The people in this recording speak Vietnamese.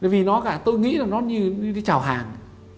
vì nó cả tôi nghĩ là nó như đi chào hàng